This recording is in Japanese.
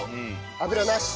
油なし！